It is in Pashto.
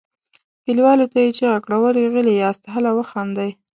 کليوالو ته یې چیغه کړه ولې غلي یاست هله وخاندئ.